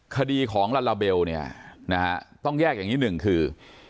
คดีของลาลาเบลต้องแยกอย่างนี้หนึ่งคือ